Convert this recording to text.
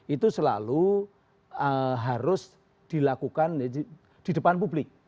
itu selalu harus dilakukan di depan publik